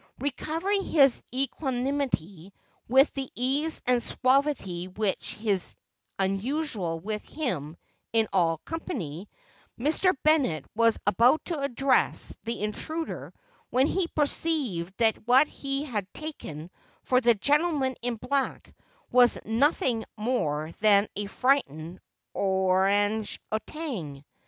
Recovering his equanimity, with the ease and suavity which is usual with him in all company, Mr. Bennett was about to address the intruder when he perceived that what he had taken for the gentleman in black was nothing more than a frightened orang outang.